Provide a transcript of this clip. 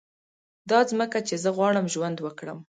دا ځکه چي زه غواړم ژوند وکړم